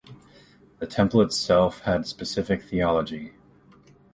The temple itself had a specific theology.